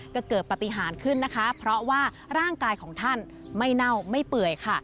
ก็เกิดปฏิหารขึ้นนะคะเพราะว่าร่างกายของท่านไม่เน่าไม่เปื่อยค่ะ